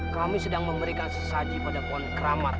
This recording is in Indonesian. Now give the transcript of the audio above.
kami sedang memberikan sesaji pada pohon keramat